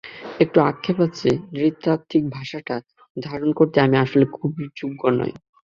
একটু আক্ষেপ আছে, নৃতাত্ত্বিক ভাষাটা ধারণ করতে আমি আসলে খুব যোগ্য নই।